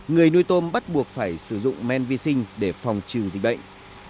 người nuôi tôm bắt buộc phải sử dụng men vi sinh để phòng trừ dịch bệnh